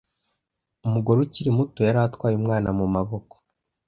Umugore ukiri muto yari atwaye umwana mu maboko.